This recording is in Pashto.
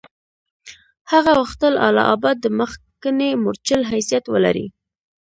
هغه غوښتل اله آباد د مخکني مورچل حیثیت ولري.